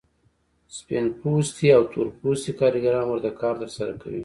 سپین پوستي او تور پوستي کارګران ورته کار ترسره کوي